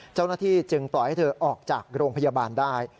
เจ้าหน้าที่จึงปล่อยให้เธอออกจากโรงพยาบาลได้